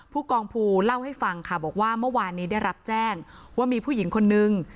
ผู้กองภูเล่าให้ฟังค่ะบอกว่าเมื่อวานนี้ได้รับแจ้งว่ามีผู้หญิงคนนึง